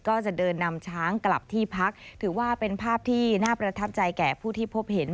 ก็จะเดินนำช้างกลับที่พักถือว่าเป็นภาพที่น่าประทับใจแก่ผู้ที่พบเห็น